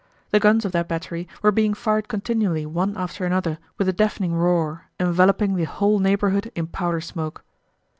The guns of that battery were being fired continually one after another with a deafening roar, enveloping the whole neighborhood in powder smoke.